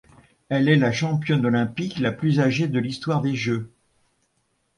Elle est la championne olympique la plus âgée de l'histoire des jeux.